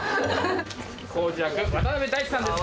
耕司役渡辺大知さんです